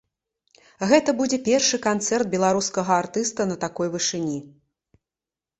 Гэта будзе першы канцэрт беларускага артыста на такой вышыні.